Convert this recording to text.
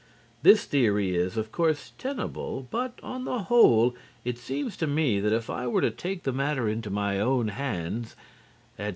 This theory is, of course, tenable, but, on the whole, it seems to me that if I were to take the matter into my own hands, etc.